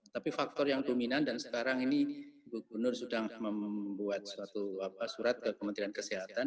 tapi faktor yang dominan dan sekarang ini gubernur sudah membuat suatu surat ke kementerian kesehatan